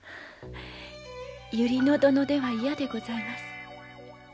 百合野殿では嫌でございます。